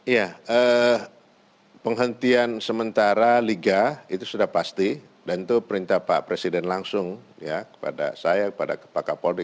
ya penghentian sementara liga itu sudah pasti dan itu perintah pak presiden langsung ya kepada saya kepada pak kapolri